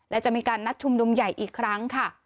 และจะมีการนัดชุมนุมใหญ่อีกครั้งค่ะ